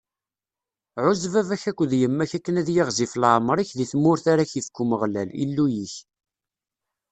Ɛuzz baba-k akked yemma-k akken ad yiɣzif leɛmeṛ-ik di tmurt ara k-ifk Umeɣlal, Illu-ik.